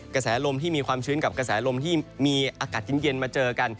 กระแสลมที่มีความชื้นกับกระแสลมที่มีอากาศเย็นมาเจอกัน